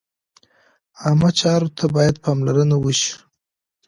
عامه چارو ته باید پاملرنه وشي.